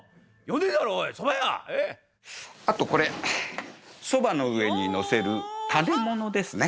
あとこれそばの上に載せる種物ですね。